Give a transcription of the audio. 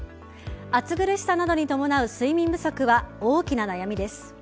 暑苦しさなどに伴う睡眠不足は大きな悩みです。